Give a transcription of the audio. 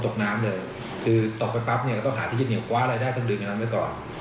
ตกไปปั๊บเนี่ยก็ต้องหาที่ที่เหนียวคว้าได้ได้ทั้งดื่มอย่างนั้นไปก่อน